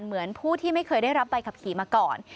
เหมือนผู้ที่ไม่เคยได้รับใบขับขี่มาก่อน